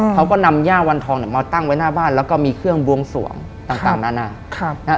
เขาก็นำย่าวันทองเนี่ยมาตั้งไว้หน้าบ้านแล้วก็มีเครื่องบวงสวงต่างหน้า